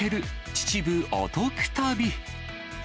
秩父お得旅。